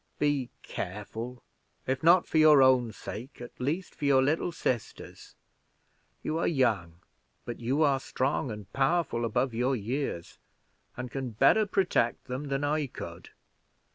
Be careful if not for your own sake, at least for your little sisters'. You are young, but you are strong and powerful above your years, and can better protect them than I could.